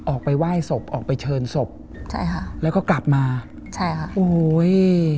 ออกไปไหว้ศพออกไปเชิญศพใช่ค่ะแล้วก็กลับมาใช่ค่ะโอ้ย